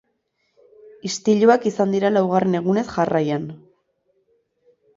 Istiluak izan dira laugarren egunez jarraian.